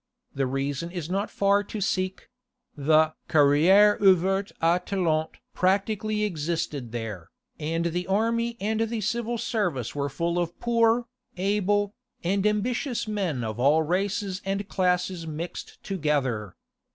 The reason is not far to seek: the "carrière ouverte aux talents" practically existed there, and the army and the civil service were full of poor, able, and ambitious men of all races and classes mixed together.